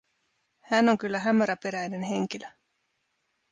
Hän on kyllä hämäräperäinen henkilö!